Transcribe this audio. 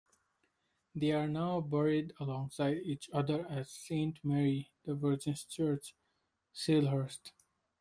They are now buried alongside each other at Saint Mary the Virgin's Church, Salehurst.